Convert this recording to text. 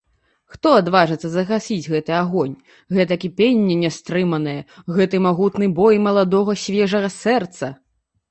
Хто адважыцца загасіць гэты агонь, гэта кіпенне нястрыманае, гэты магутны бой маладога свежага сэрца!